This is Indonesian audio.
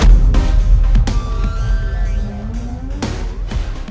jujur sama saya